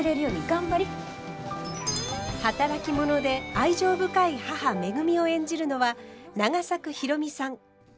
働き者で愛情深い母めぐみを演じるのは永作博美さん。